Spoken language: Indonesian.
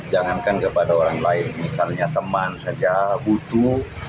jangankan kepada orang lain misalnya teman saja butuh